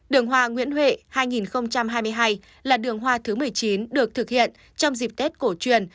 đường hoa nguyễn huệ hai nghìn hai mươi hai là đường hoa thứ một mươi chín được thực hiện trong dịp tết cổ truyền